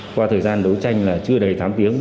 qua thời gian đấu tranh chưa đầy tám tiếng